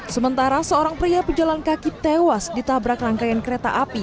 sementara seorang pria pejalan kaki tewas ditabrak rangkaian kereta api